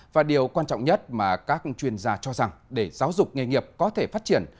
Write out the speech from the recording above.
và điều quan trọng nhất mà các chuyên gia cho rằng để giáo dục nghề nghiệp có thể phát triển